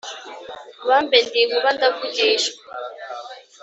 Bambe ndi inkuba ndavugishwa